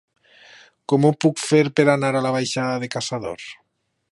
Com ho puc fer per anar a la baixada de Caçador?